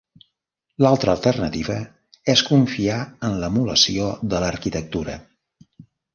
L'altra alternativa és confiar en l'emulació de l'arquitectura.